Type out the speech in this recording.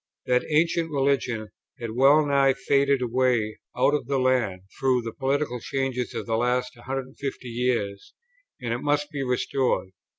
That ancient religion had well nigh faded away out of the land, through the political changes of the last 150 years, and it must be restored.